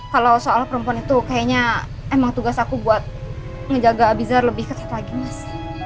kalau soal perempuan itu kayaknya emang tugas aku buat ngejaga bisa lebih ketat lagi mas